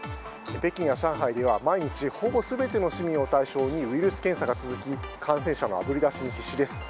北京や上海では毎日ほぼ全ての市民を対象にウイルス検査が続き感染者のあぶり出しに必死です。